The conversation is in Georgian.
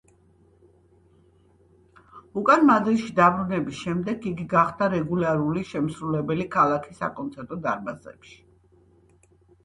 უკან მადრიდში დაბრუნების შემდეგ, იგი გახდა რეგულარული შემსრულებელი ქალაქის საკონცერტო დარბაზებში.